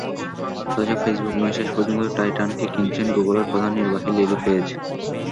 অথচ ফেসবুক নয়, শেষ পর্যন্ত টাইটানকে কিনছেন গুগলের প্রধান নির্বাহী ল্যারি পেজ।